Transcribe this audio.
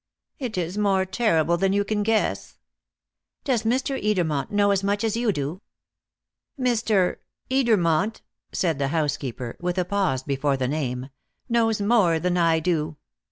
"It is more terrible than you can guess." "Does Mr. Edermont know as much as you do?" "Mr. Edermont," said the housekeeper, with a pause before the name, "knows more than I do."